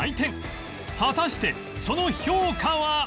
果たしてその評価は！？